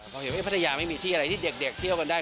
พอเห็นว่าพัทยาไม่มีที่อะไรที่เด็กเที่ยวกันได้